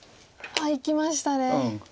あっいきましたね。